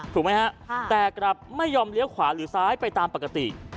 ถูกไหมฮะแต่กลับไม่ยอมเลี้ยวขวาหรือซ้ายไปตามปกติ